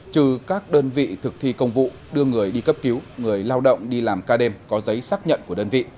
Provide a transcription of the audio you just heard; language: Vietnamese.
trừ các đơn vị thực thi công vụ đưa người đi cấp cứu người lao động đi làm ca đêm có giấy xác nhận của đơn vị